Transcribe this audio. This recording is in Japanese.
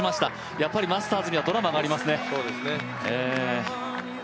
やっぱりマスターズにはドラマがありますね。